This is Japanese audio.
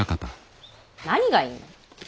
何がいいの。